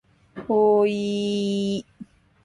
おおおいいいいいい